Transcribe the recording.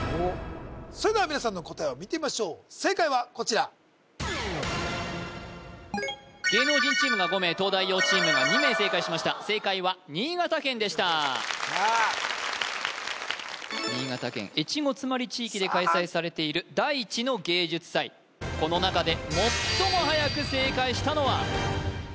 それでは皆さんの答えを見てみましょう正解はこちら芸能人チームが５名東大王チームが２名正解しました正解は新潟県でした新潟県越後妻有地域で開催されている「大地の芸術祭」この中で最もはやく正解したのは？